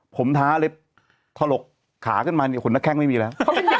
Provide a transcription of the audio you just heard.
ผมท้าเล็บทะลกขากลับมาคนนักแคร่งไม่มีแล้ว